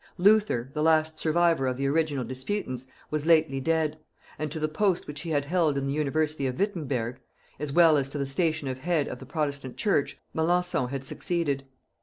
Luther, the last survivor of the original disputants, was lately dead; and to the post which he had held in the university of Wittemberg, as well as to the station of head of the protestant church, Melancthon had succeeded.